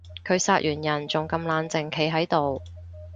佢殺完人仲咁冷靜企喺度